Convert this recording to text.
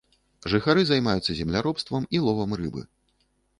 Жыхары займаюцца земляробствам і ловам рыбы.